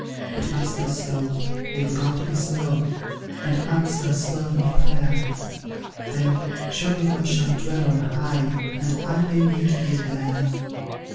It must be so, if God is love, And answers fervent prayer; Then surely thou shalt dwell on high, And I may meet thee there.